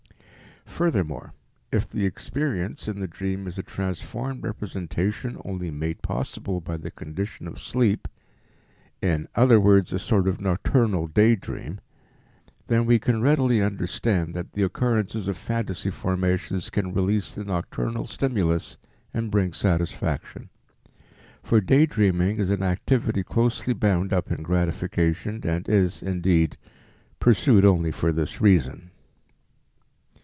Furthermore, if the experience in the dream is a transformed representation only made possible by the condition of sleep in other words, a sort of nocturnal day dream then we can readily understand that the occurrence of phantasy formations can release the nocturnal stimulus and bring satisfaction. For day dreaming is an activity closely bound up in gratification and is, indeed, pursued only for this reason.